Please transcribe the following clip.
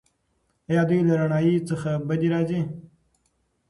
ایا دوی له رڼایي څخه بدې راځي؟